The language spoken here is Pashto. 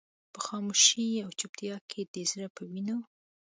په خاموشۍ او چوپتيا کې د زړه په وينو.